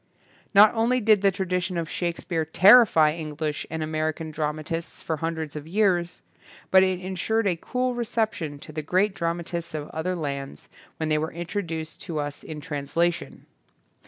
Not only did the tradition of Shake speare terrify English and American dramatists for hundreds of years, but it insured a cool reception to the great dramatists of other lands when they were introduced to us in translation.